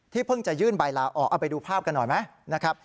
เพิ่งจะยื่นใบลาออกเอาไปดูภาพกันหน่อยไหมนะครับ